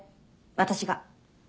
私が。